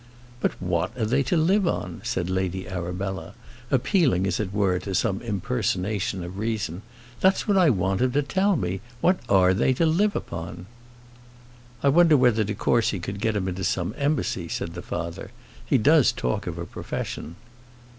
"But what are they to live upon?" said Lady Arabella, appealing, as it were, to some impersonation of reason. "That's what I want him to tell me. What are they to live upon?" "I wonder whether de Courcy could get him into some embassy?" said the father. "He does talk of a profession."